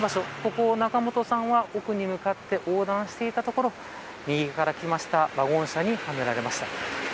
ここを仲本さんは、奥に向かって横断していたところ右から来たワゴン車にはねられました。